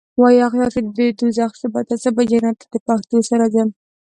واي اغیار چی د دوږخ ژبه ده زه به جنت ته دپښتو سره ځم